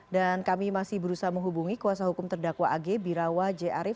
dan kami masih berusaha menghubungi kuasa hukum terdakwa ag birawa j arief